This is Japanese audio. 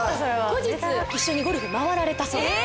後日一緒にゴルフ回られたそうです。